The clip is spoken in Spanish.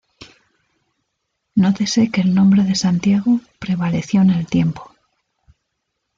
Nótese que el nombre de Santiago prevaleció en el tiempo.